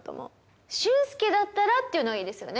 「俊介だったら」っていうのがいいですよね。